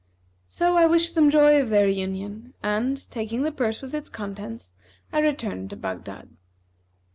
So I wished them joy of their union and, taking the purse with its contents, I returned to Baghdad."